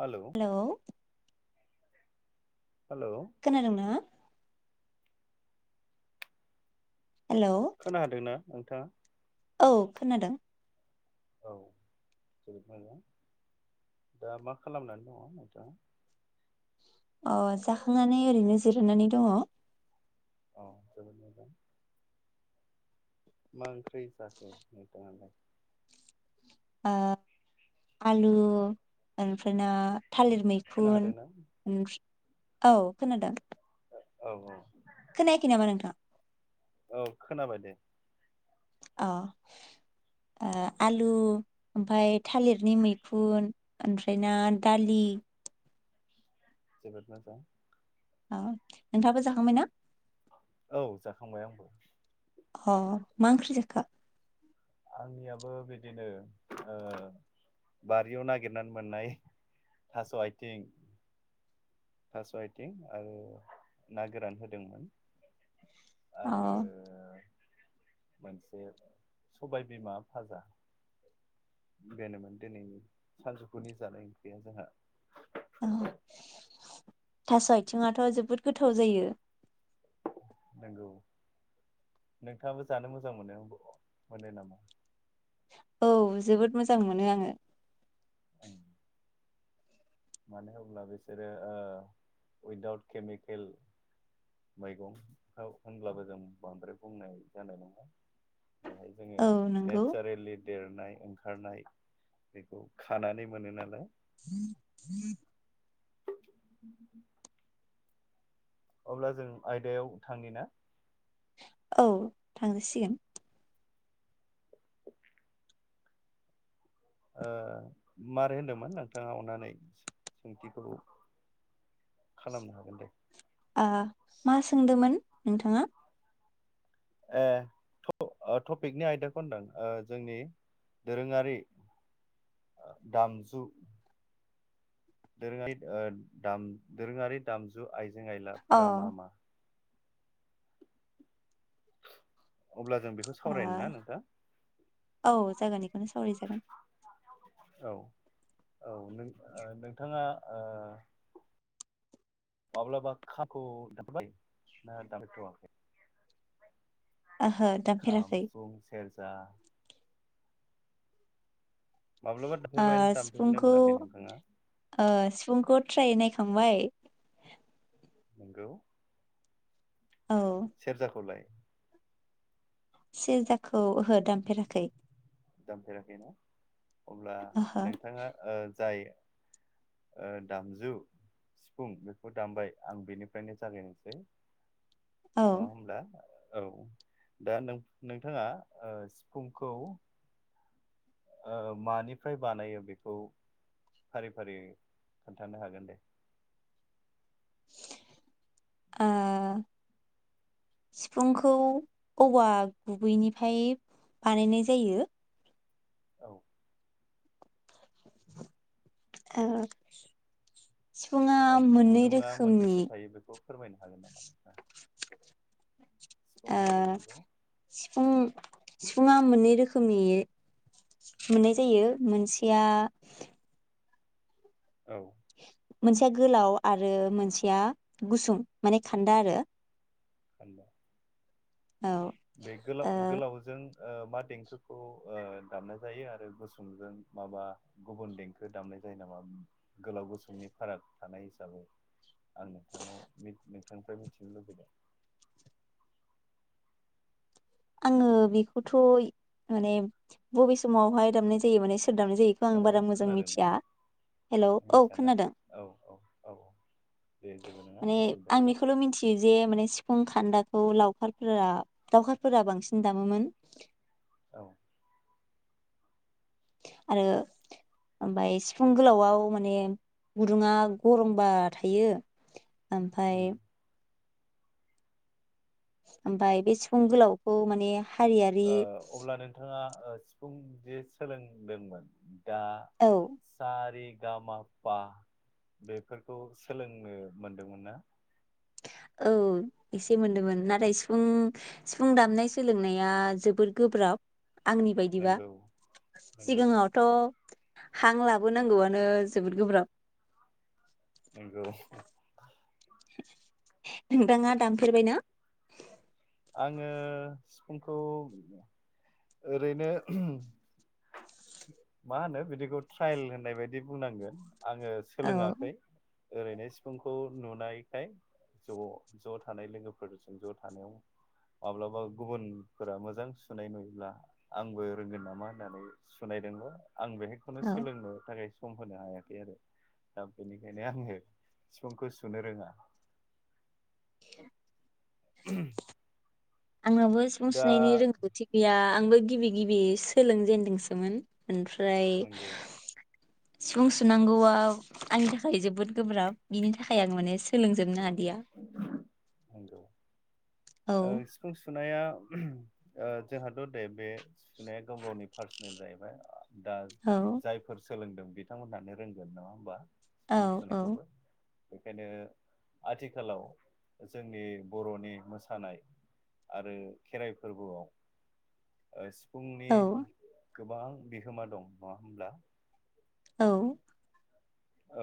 Hello hello hello खोनादोंना hello खोनादोंना नोंथांङा औ खोनादों औ जोबोद मोजां दा मा खालामनानै दङ नोंथाङा अ जाखांनानै ओरैनो जिरायनानै दङ अ जोबोद मोजां मा ओंख्रि जाखो नोंथाङालाय ओ आलु ओमफ्राय ना थालिर खोना मैखुन हादोंना? ओं औ खोनादों औ औ खोनायाखै नामा नोंथां औ खोनाबाय दे अ ओ आलु ओमफ्राय थालिरनि मैखुन ओमफ्राय ना दालि जोबोद मोजां औ नोंथांङाबो जाखांबाय ना औ जाखांबाय आंबो अ मा ओख्रि जाखो आंनियाबो बिदिनो ओ बारियाव नागिरनानै मोननाय थास' आइथिं थास' आइथिं आरो ना गोरान होदोंमोन आरो अ मोनसे सबाय बिमा फाजा बेनोमोन दिनैनि सानजौफुनि जानाय ओंख्रिया जोंहा औ थास' आथिङाथ' जोबोद गोथाव जायो नंगौ नोंथाङाबो जानो मोजां मोनो नामा औ जोबोद मोजां मोनो आङो औ मानो होनब्ला बिसोरो उइदाउट केमिकेल मैगंखौ होनब्लाबो जों बांद्राय बुंनाय जानाय नङा बेहाय जोङो औ नंगौ नेचारेलि देरनाय ओंखारनाय बेखौ खानानै मोनो नालाय ह अब्ला जों आयदायाव थाङि ना औ थांजासिगोन औ मारै होनदोंमोन नोंथाङा अननानै सोंथिखौ खालामनो हागोन दे मा सोंदोंमोन नोंथाङा ए टपिकनि आयदाखौ होनदों जोंनि दोरोङारि दामजु दोरोङारि दामजु आयजो आयजें अ आलाफोरा मा मा अब्ला जों बेखौ ओ सावरायनो ना नोंथां औ जागोन बेखौनो सावराय जागोन औ औ नोंथाङा माब्लाबा खाखु दामबाय ना दामथ'वाखै ओहो दामफेरासै आ माब्लाबा दामफेरबाय दामफेरनो सिफुंखौ मोनाखै नोंथाङा सिफुंखौ थ्रायनायखां होमबाय नंगौ औ सेरजाखौलाय सेरजाखौ औहो दामफेराखै दामफेराखैना अब्ला ओहो नोंथाङा औ जायो दामजु सिफुं बेखौ दामबाय आं बेनिफ्रायनो जागायनोसै औ नङा होनबा औ दा नोंथाङा सिफुंखौ मानिफ्राय बानायो बेखौ फारि फारि खोन्थानो हागोन दे सिफुंखौ औवा गुबैनिफ्राय बानायनाय जायो औ आ सिफुङा ओ मोननै गुदुङा रोखोमनि मोनबेसे थायो बेखौ फोरमायनो हागोन नामा नोंथाङा? आ सिफुंनि गुदुंखौ सिफुं सिफुंङा मोननै रोखोमनि मोननाय जायो मोनसेया औ मोनसेया गोलाव आरो मोनसेया गुसुं माने खानदा आरो खानदा औ बे गोलाव ओ गोलावजों ओ मा देंखोखौ ओ दामनाय जायो आरो गुसुंजों माबा गुबुन देंखो दामनाय जायो नामा गोलाव गुसुंनि फाराग थानाय हिसाबै आं नोंथांनाव नोंथांनिफ्राय मिथिनो लुबैदों आङो बेखौथ' माने बबे समावहाय दामनाय जायो माने दामनाय जायोखौ आं हेलौ बारा मोजां खोनादोंना मिथिया हेल' औ मिथियाना खोनादों औ औ औ औ दे जेबो नङा माने उसुबिदा आं गैया बेखौल' मिथियो जे माने सिफुं खानदा ओ लावखारफोरा दावखारफोरा बांसिन दामोमोन औ आरो ओमफ्राय सिफुं गोलावआव माने गुदुङा गरंबा थायो ओमफ्राय उम ओमफ्राय बे सिफुं गोलावखौ माने हारियारि ओ अब्ला नोंथाङा ओ सिफुं जे सोलोंदोंमोन दा औ सारि गा मा पा बेफोरखौ सोलोंनो मोनदोंमोन ना औ एसे मोनदोंमोन नाथाय सिफुं सिफुं दामनाय सोलोंनाया जोबोर गोब्राब आंनि बायदिबा नोंगौ नोंगौ सिगाङावथ' हां लाबोनांगौआनो जोबोद गोब्राब नंगौ नोंथाङा दामफेरबायना आङो सिफुंखौ ओरैनो मा होनो बिदिखौ ट्रायल होननाय बायदि बुंनांगोन आङो औ सोलोंङाखै ओरैनो सिफुंखौ नुनायखाय ज' ज' थानाय लोगोफोरजों ज' थानायाव माब्लाबा गुबुनफोरा मोजां सुनाय नुयोब्ला आंबो रोंगोन नामा होननानै सुनायदोंमोन आं मेथायखौनो औ सोलोंनो थाखाय सम होनो हायाखै आरो दा बेनिखायनो आङो सिफुंखौ सुनो रोङा [inaudible] आंनावबो सिफुं दा सुनायनि रोंगौथि गैया आंबो गिबि गिबि सोलोंजेनदोंसोमोन ओमफ्राय नंगौ सिफुं सुनांगौआ आंनि थाखाय जोबोद गोब्राब बिनि थाखाय आं माने सोलोंजोबनो हादिया नंगौ औ ओ सिफुं सुनाया ओ जोंहाथ' दे बे सुनाया गाव गावनि पार्सनेल जाहैबाय दा औ जायफोर सोलोंदों बिथांमोनहानो रोंगोन नङा होमबा औ सिफुं औ सुनायखौबो बेखायनो आथिखालाव जोंनि बर'नि मोसानाय आरो खेराइ फोरबोआव ओ सि सिफुंनि औ गोबां बिहोमा दं नङा होमब्ला औ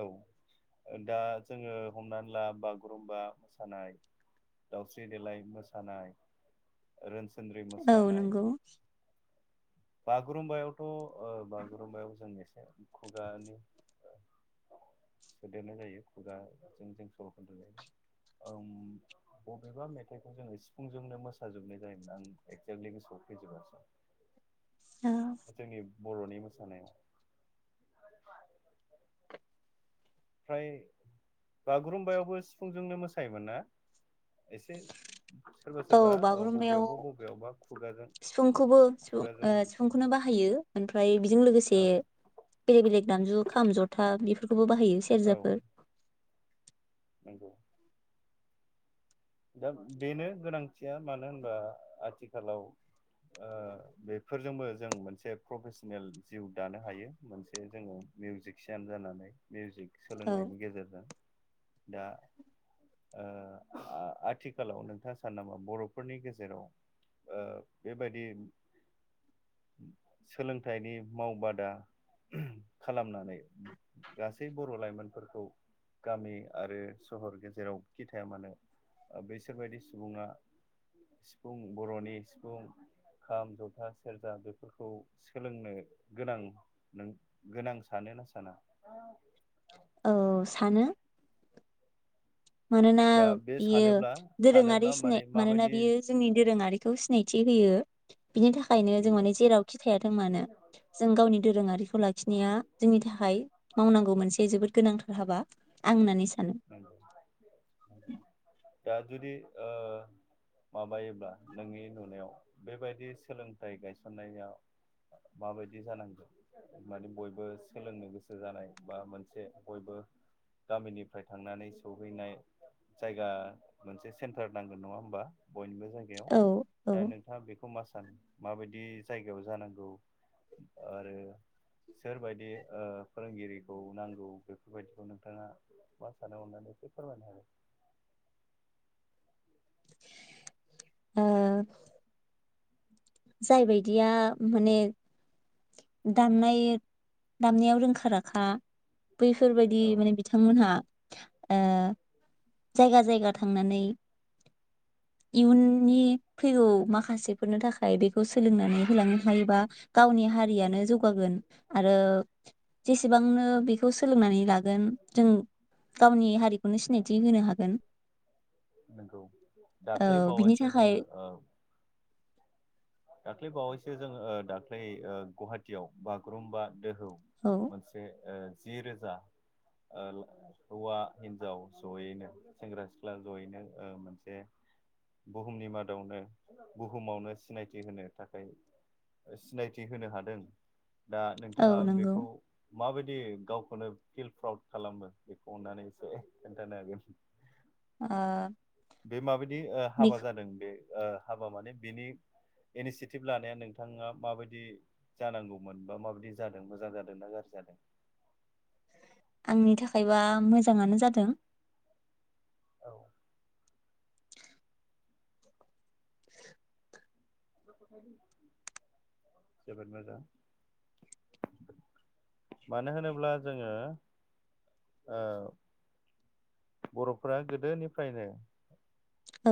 औ दा जोङो हमनानै ला बागुरुमबा मोसानाय दावस्रि देलाय मोसानाय रोन औ नंगौ बागुरुम्बायावथ' ओ बागुरुम्बायाव जों एसे खुगानि ओ सोदेरनाय जायो खुगाजों जों सल' खननाय जायो उम बबेबा मेथाइखौ जोङो सिफुंजोंनो मोसाजोबनाय जायोमोन आं एक्जेक्टलि गोसोआव फैजोबासै औ जोंनि बर'नि मोसानायाव ओमफ्राय बागुरुम्बायावबो सिफुंजोंनो मोसायोमोन ना एसे सोरबा औ सोरबा ओ बागुरुम्बायाव बबेयावबा बबेयावबा खुगाजों सिफुंखौबो सिफुं खुगाजों खन्थाइ सिफुंखौनो बाहायो ओमफ्राय बेजों लोगोसे औ बेलेक बेलेक दामजु खाम जथा बेफोर खौबो बाहायो औ सेरजाफोर नंगौ दा बेनो गोनांथिया मानो होनबा आथिखालाव ओ बेफोरजोंबो जों मोनसे प्रफेसनेल जिउ दानो हायो मोनसे जोङो मिउजिसियान जानानै मिउजिक औ सोलोंनायनि गेजेरजों दा ओ आ आथिखालाव नोंथाङा सानो नामा बर'फोरनि गेजेराव ओ बेबायदि सोलोंथाइनि मावबादा खालामनानै गासै बर' लाइमोनफोरखौ गामि आरो सहर गेजेरावखि थाया मानो बेैसोरबायदि सुबुङा सिफुं बर'नि सिफुं खाम जथा सेरजा बेफोरखौ सोलोंनो गोनां नों गोनां सानोना साना औ सानो मानोना दा बे बियो सानोब्ला दोरोङारि सानोब्ला माने सिनाय मानोना माबायदि बियो जोंनि दोरोङारिखौ सिनाय थि होयो बिनि थाखायनो जों नंगौ माने जेरावखि थायाथों मानो जों गावनि दोरोङारिखौ लाखिनाया जोंनि थाखाय मावनांगौ मोनसे जोबोद गोनांथार हाबा आं होननानै सानो नंगौ नंगौ [inaudible] दा जुदि ओ माबायोब्ला नोंनि नुनायाव बेबायदि सोलों नाथाय गायसननाया माबायदि जानांगोन माने बयबो सोलोंनो गोसो जानाय बा मोनसे बयबो गामिनिफ्राय थांनानै सहैनाय जायगा मोनसे सेन्टार नांगोन नङा होमबा बयनिबो [inaudible] ओ औ औ नोंथाङा बेखौ मा सा [unintelligible] माबायदि जायगायाव जानांगौ आरो सोरबायदि ओ फोरोंगिरिखौ नांगौ बेफोरबायदिखौ नोंथाङा मा सानो अननानै एसे फोरमायनो होलाय ओ जाय बायदिया माने दामनाय दामनायाव रोंखा रोखा बैफोरबायदि औ माने बिथांमोनहा ओ जायगा जायगा थांनानै इयुननि फैगौ माखासेफोरनो थाखाय बेखौ सोलोंनानै होलांनो हायोबा गावनि हारियानो जौगागोन आरो जेसेबांनो बे खौ सोलोंनानै लागोन जों गावनि हारिखौनो सिनाय नोंगौ औ दाख्लै बिनि बावासो थाखाय जोङो ओ दाख्लै बावैसो जों ओ दाख्लै ओ गुवाहाटियाव बागुरुम्बा दोहौ औ मोनसे ओ जि रोजा ओ हौवा हिन्जाव जयैनो सेंग्रा सिख्ला जयैनो ओ मोनसे बुहुमनि मादावनो बुहुमावनो सिनायथि होनो थाखाय सिनायथि होनो हादों दा औ नोंथाङा नंगौ बेखौ माबायदि गावखौनो फिल प्राउद खालामो बेखौ अननानै एसे खोनन्थानो हागोन ओ बेहाय माबायद दि ओ बे हाबा जादों बे ओ हाबा माने बिनि इनिसियेटिभ लानाया नोंथाङा माबायदि जानांगौमोन बा माबायदि जादों मोजां जादों ना गाज्रि जादों निथा खायबा मोजाङानो जादों औ [inaudible] जोबोद मोजां मानो होनोब्ला जोङो ओ बर'फोरा गोदोनिफ्रायनो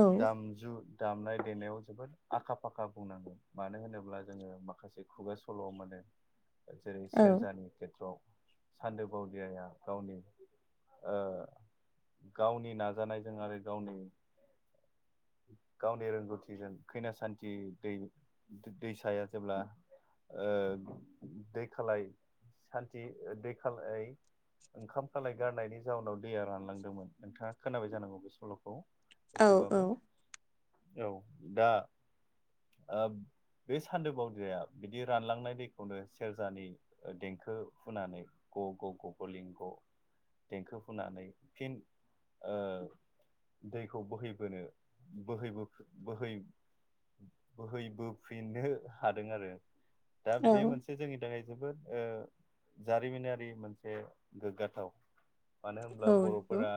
औ दामजु दामनाय गेलेनायाव जोबोद आखा फाखा बुंनांगोन मानो होनोब्ला जोङो माखासे खुगा सल' मोनो जेरै औ सेरजानि खेथ्र'आव सान्दो बावदियाया गावनि ओ गावनि नाजानायजों आरो गावनि गावनि रोंगौथिजों खैना सान्थि दै दैसाया जेब्ला ओ दै खालाय सान्थि ओ दै खालाय ओंखाम खालाय गारनायनि जाउनाव दैया रान लांदोंमोन नोंथाङा खोनाबाय जानांगौ बे सल'खौ औ औ एसेबाबो औ दा ओ बे सान्दो बावदाया बिदि रानलांनाय दैखौनो सेरजानि ओ देंखो हुनानै ग ग ग गि लिं ग' देंखो हुनानै फिन ओ दैखौ बोहैबोनो बोहैबो बोहै बोहैबोफिननो हादों आरो दा औ बे मोनसे जोंनि थाखाय जोबोद ओ जारिमिनारि मोनसे गोग्गाथाव मानो होनब्ला औ बर' नंगौ फोरा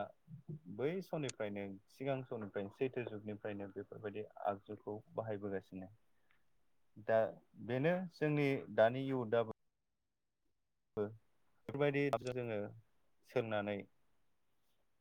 बै समनिफ्रायनो सिगां समनिफ्रायनो सैथो जुगनिफ्रायनो बेफोरबायदि आगजुखौ बाहायबोगासिनो दा बेनो जोंनि दानि इउदाबो बो बेफोरबायदि [inaudible] जोङो सोंनानै